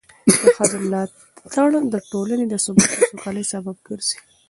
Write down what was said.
د ښځو ملاتړ د ټولنې د ثبات او سوکالۍ سبب ګرځي.